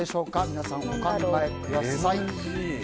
皆さん、お考えください。